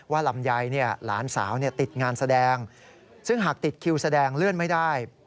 ลำไยหลานสาวติดงานแสดงซึ่งหากติดคิวแสดงเลื่อนไม่ได้